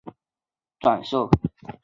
这里的数据不包含二手专辑的转售。